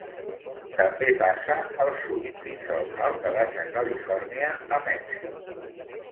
També passa al sud fins al nord de Baixa Califòrnia a Mèxic.